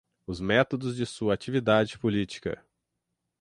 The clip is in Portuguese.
os métodos de sua atividade política